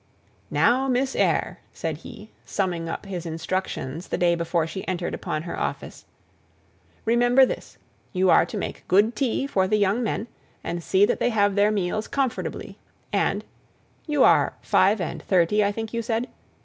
"Now, Miss Eyre," said he, summing up his instructions the day before she entered upon her office, "remember this: you are to make good tea for the young men, and see that they have their meals comfortably, and you are five and thirty, I think you said?